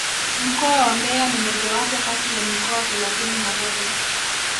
Mkoa wa mbeya ni mojawapo kati ya mikoa thelathini na tatu